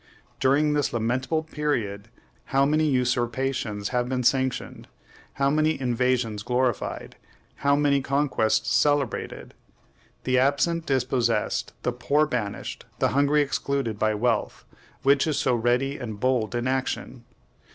During this lamentable period, how many usurpations have been sanctioned, how many invasions glorified, how many conquests celebrated! The absent dispossessed, the poor banished, the hungry excluded by wealth, which is so ready and bold in action!